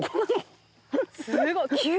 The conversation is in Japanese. すごい急！